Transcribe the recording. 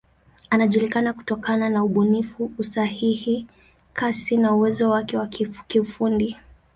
Anajulikana kutokana na ubunifu, usahihi, kasi na uwezo wake wa kiufundi.